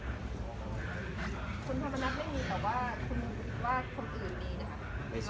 คุณธรรมนักไม่มีแต่ว่าคนอื่นมีนะครับ